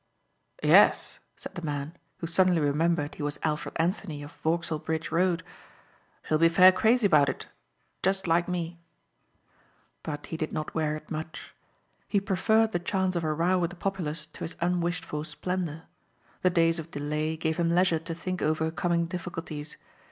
"Yes," said the man who suddenly remembered he was Alfred Anthony of Vauxhall Bridge Road, "she'll be fair crazy about it. Just like me." But he did not wear it much. He preferred the chance of a row with the populace to his unwished for splendor. The days of delay gave him leisure to think over coming difficulties.